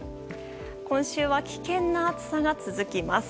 今週は危険な暑さが続きます。